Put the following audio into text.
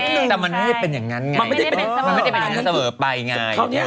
แต่มันไม่ได้เป็นอย่างนั้นไงมันไม่ได้เป็นอย่างนั้นเสมอไปไง